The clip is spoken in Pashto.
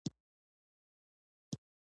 زه هره ورځ په خپل وخت کار ته ځم.